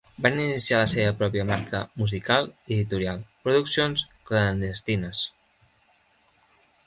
Van iniciar la seva pròpia marca musical i editorial, Productions Clandestines.